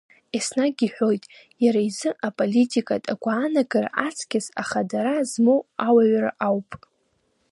Еснагь иҳәоит, иара изы аполитикатә агәаанагара ацкьыс ахадара змоу ауаҩра ауп.